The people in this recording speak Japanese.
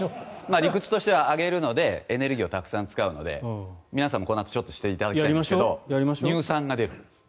理屈としては上げるのでエネルギーをたくさん使うので皆さんもこのあとやっていただきますが乳酸が出る。